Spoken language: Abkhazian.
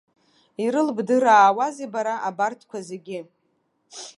Ирылбдыраауазеи бара абарҭқәа зегьы?!